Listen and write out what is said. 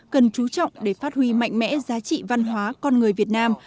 cần chú trọng để phát huy mạnh mẽ giá trị văn hóa con người việt nam